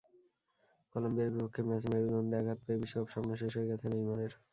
কলম্বিয়ার বিপক্ষে ম্যাচে মেরুদণ্ডে আঘাত পেয়ে বিশ্বকাপ-স্বপ্ন শেষ হয়ে গেছে নেইমারের।